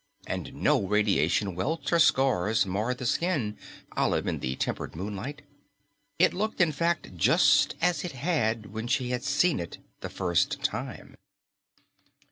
And no radiation welts or scars marred the skin, olive in the tempered moonlight. It looked, in fact, just as it had when she had seen it the first time.